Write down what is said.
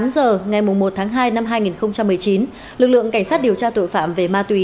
tám giờ ngày một tháng hai năm hai nghìn một mươi chín lực lượng cảnh sát điều tra tội phạm về ma túy